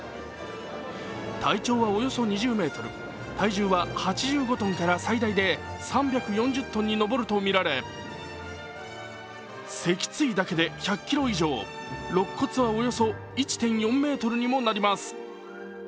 体長はおよそ２０ｍ、体重は８５ｔから最大で３４０ｔに上るとみられ脊椎だけで１００ｋｇ以上、ろっ骨はおよそ１．４ｍにもなります。